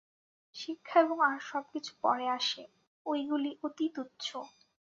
শিক্ষা এবং আর সব কিছু পরে আসে, ঐগুলি অতি তুচ্ছ।